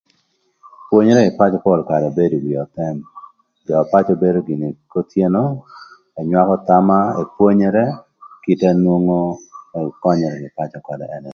Pwonyere kï pacö pol karë bedo ï wi öthëm jö na pacö bedo gïnï kothyeno kanya acël ënywakö thama epwonyere kite na nwongo ëkönyërë kï pacö ködë.